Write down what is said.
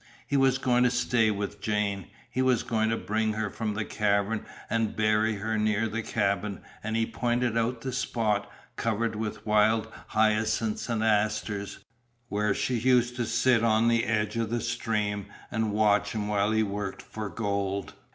He was going to stay with Jane. He was going to bring her from the cavern and bury her near the cabin, and he pointed out the spot, covered with wild hyacinths and asters, where she used to sit on the edge of the stream and watch him while he worked for gold.